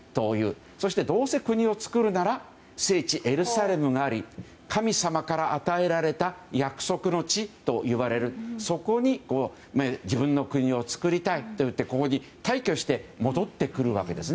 そして、どうせ国を作るなら聖地エルサレムがあり神様から与えられた約束の地といわれるそこに自分の国を造りたいと言ってここに大挙して戻ってくるわけです。